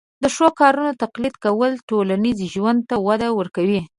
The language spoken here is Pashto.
د ښو کارونو تقلید کول ټولنیز ژوند ته وده ورکوي.